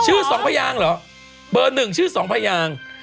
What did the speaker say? อ๋อชื่อสองพระยางเหรอเบอร์หนึ่งชื่อสองพระยาง